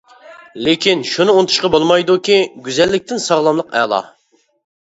لېكىن شۇنى ئۇنتۇشقا بولمايدۇكى گۈزەللىكتىن ساغلاملىق ئەلا.